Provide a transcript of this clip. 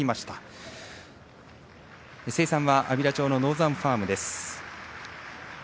生産は安平町のノーザンファームです。